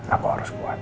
aku harus kuat